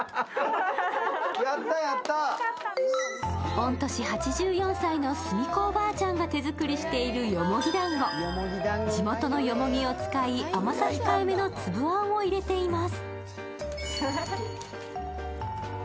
御年８４歳のすみ子おばあちゃんが手作りしているよもぎだんご地元のよもぎを使い、甘さ控えめのつぶあんを入れています。